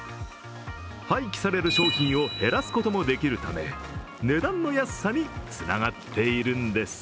廃棄される商品を減らすこともできるため、値段の安さにつながっているんです。